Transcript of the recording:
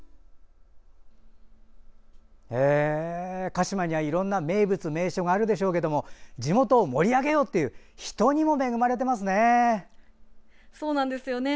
鹿島にはいろんな名物名所があるでしょうけど地元を盛り上げようという人にも恵まれていますね。